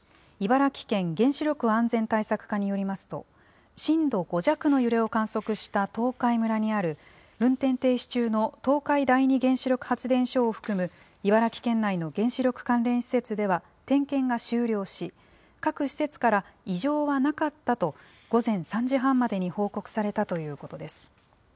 茨城県原子力安全対策課によりますと、震度５弱の揺れを観測した東海村にある、運転停止中の東海第二原子力発電所を含む、茨城県内の原子力関連施設では点検が終了し、各施設から、異常はなかったと午前３時半までに報告されたということです。